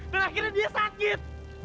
dan akhirnya dia sakit